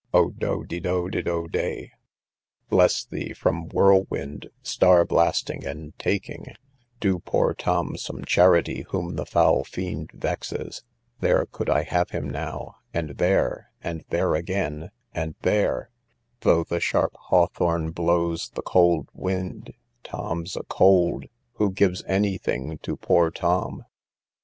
O do, de, do, de, do, de; bless thee from whirlwind, star blasting, and taking; do poor Tom some charity, whom the foul fiend vexes; there could I have him now, and there, and there again, and there; through the sharp hawthorn blows the cold wind; Tom's a cold! who gives any thing to poor Tom?